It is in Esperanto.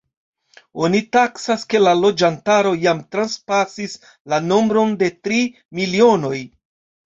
Oni taksas, ke la loĝantaro jam transpasis la nombron de tri milionoj.